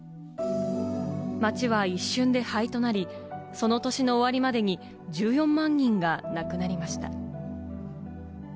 街は一瞬で灰となり、その年の終わりまでに１４万人が亡くなりました。